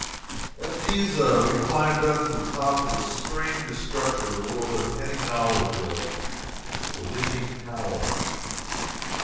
At Pisa we climbed up to the top of the strangest structure the world has any knowledge of the Leaning Tower.